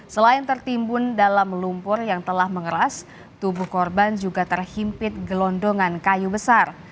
selain tertimbun dalam lumpur yang telah mengeras tubuh korban juga terhimpit gelondongan kayu besar